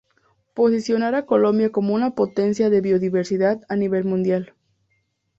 Posicionar a Colombia como una potencia de biodiversidad a nivel mundial.